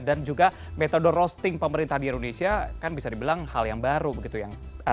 dan juga metode roasting pemerintah di indonesia kan bisa dibilang hal yang baru begitu ya